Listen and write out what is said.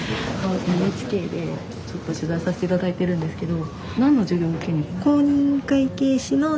ＮＨＫでちょっと取材させていただいてるんですけど。